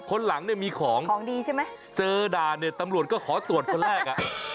คนหลังมีของของดีใช่ไหมเจอดาเนี่ยตำรวจก็ขอตรวจคนแรก